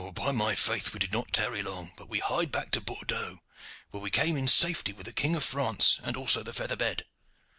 "By my faith! we did not tarry long, but we hied back to Bordeaux, where we came in safety with the King of France and also the feather bed.